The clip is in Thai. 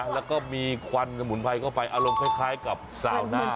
แล้วก็มีควันสมุนไพรเข้าไปอารมณ์คล้ายกับสาวหน้า